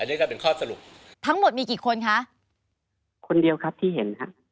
นี่ก็เป็นข้อสรุปทั้งหมดมีกี่คนคะคนเดียวครับที่เห็นค่ะ